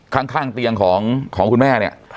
ข้างเตียงของคุณแม่เนี่ย